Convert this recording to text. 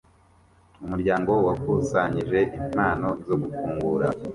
Umuryango wakusanyije impano zo gufungura